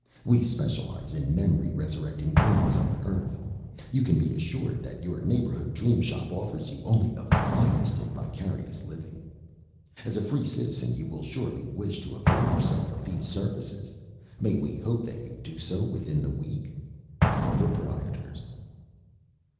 We specialize in memory resurrecting dreams of Earth. You can be assured that your neighborhood Dream Shop offers you only the finest in vicarious living. As a Free Citizen, you will surely wish to avail yourself of these services. May we hope that you do so within the week? The Proprietors.